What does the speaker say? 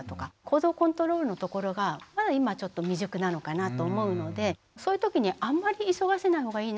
行動コントロールのところがまだ今ちょっと未熟なのかなと思うのでそういう時にあんまり急がせないほうがいいなと思っています。